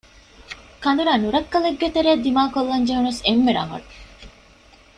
ކަނދުރާ ނުރައްކަލެއްގެ ތެރެއަށް ދިއްކޮށްލާން ޖެހުނަސް އެންމެ ރަނގަޅު